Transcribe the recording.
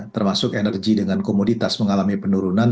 termasuk energi dengan komoditas mengalami penurunan